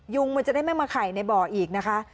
งมันจะได้ไม่มาไข่ในบ่ออีกนะคะ